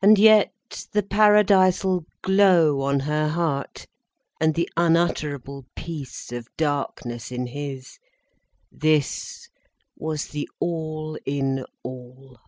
And yet the paradisal glow on her heart, and the unutterable peace of darkness in his, this was the all in all.